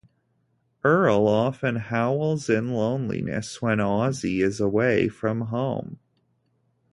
Earl often howls in loneliness when Ozzie is away from home.